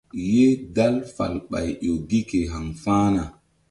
Ye dal falɓay ƴo gi ke haŋfa̧hna.